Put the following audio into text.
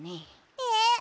えっ？